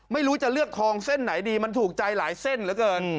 ไม่รู้จะเลือกทองเส้นไหนดีมันถูกใจหลายเส้นเหลือเกิน